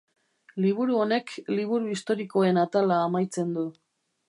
Liburu honek Liburu historikoen atala amaitzen du.